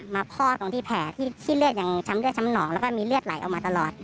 คลอดตรงที่แผลที่เลือดยังช้ำเลือดช้ำหนองแล้วก็มีเลือดไหลออกมาตลอด